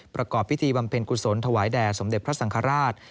ประกอบพิธีบำเพ็ญกุศลถวายแด่สมเด็จพระสังฆราช